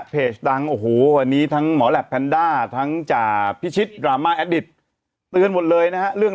เพราะมันก็ต้องมีการแจ้ง